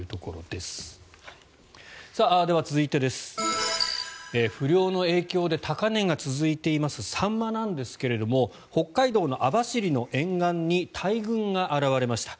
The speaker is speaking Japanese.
では、続いて不漁の影響で高値が続いていますサンマなんですが北海道の網走の沿岸に大群が現れました。